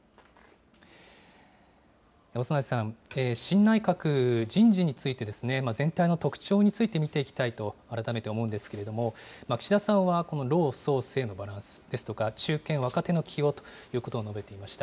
長内さん、新内閣、人事について全体の特徴について見ていきたいと、改めて思うんですけれども、岸田さんはこの老壮青のバランスですとか、中堅・若手の起用ということを述べていました。